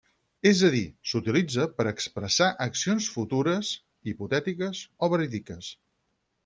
És a dir, s'utilitza per a expressar accions futures, hipotètiques o verídiques.